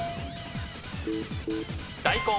大根。